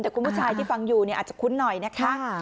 แต่คุณผู้ชายที่ฟังอยู่เนี่ยอาจจะคุ้นหน่อยนะคะ